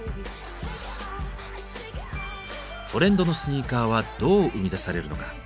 トレンドのスニーカーはどう生み出されるのか。